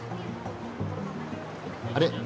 あれ？